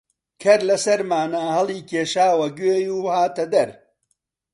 کەر لە سەرمانا هەڵیکێشاوە گوێی و هاتە دەر